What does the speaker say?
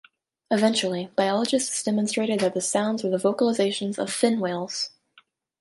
Eventually, biologists demonstrated that the sounds were the vocalizations of fin whales.